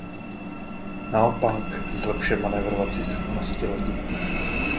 Naopak zlepšuje manévrovací schopnosti lodi.